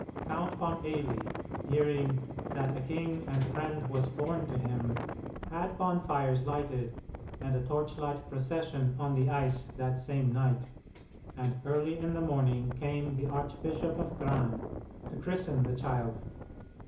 Count von Eily, hearing "that a king and friend was born to him," had bonfires lighted, and a torchlight procession on the ice that same night, and early in the morning came the Archbishop of Gran to christen the child.